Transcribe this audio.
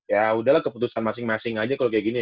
ya udahlah keputusan masing masing aja kalau kayak gini ya